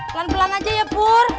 pelan pelan aja ya bur